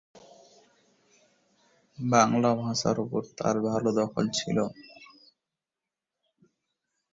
বাংলা ভাষার ওপর তাঁর ভালো দখল ছিল।